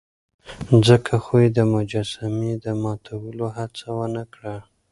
ځکه خو يې د مجسمې د ماتولو هڅه ونه کړه.